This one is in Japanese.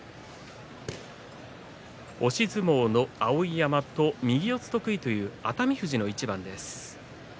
押し相撲の碧山と右四つ得意の熱海富士の一番です。